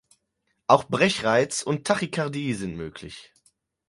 Auch Brechreiz und Tachykardie sind möglich.